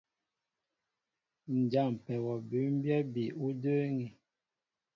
Ǹ jâmpɛ wɔ bʉ́mbyɛ́ bi ú də́ə́ŋí.